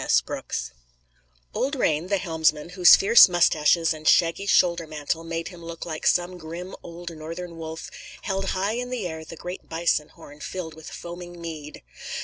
S. Brooks Old Rane, the helmsman, whose fierce mustaches and shaggy shoulder mantle made him look like some grim old Northern wolf, held high in air the great bison horn filled with foaming mead.